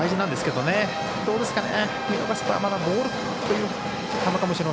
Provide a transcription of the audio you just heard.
どうですかね。